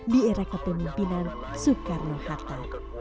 di era kepemimpinan soekarno hatta